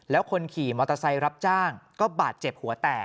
แล้วคนขี่มอเตอร์ไซค์รับจ้างก็บาดเจ็บหัวแตก